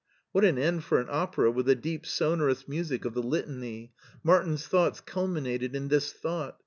What an end for an opera with the deep, sonorous music of the Litany! Martin's thoughts culminated in this thought.